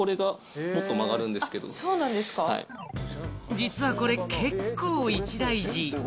実はこれ、結構一大事。